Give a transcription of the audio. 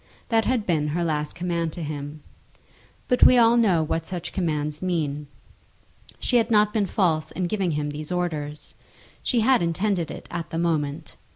That had been her last command to him. But we all know what such commands mean. She had not been false in giving him these orders. She had intended it at the moment.